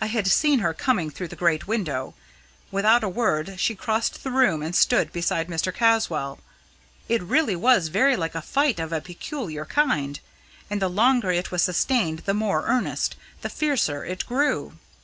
I had seen her coming through the great window. Without a word she crossed the room and stood beside Mr. Caswall. It really was very like a fight of a peculiar kind; and the longer it was sustained the more earnest the fiercer it grew.